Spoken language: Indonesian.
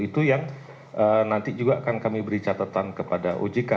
itu yang nanti juga akan kami beri catatan kepada ojk